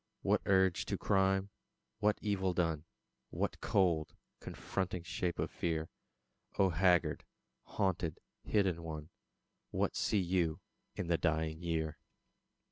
What urge to crime, what evil done? What cold, confronting shape of fear? O haggard, haunted, hidden One What see you in the dying year?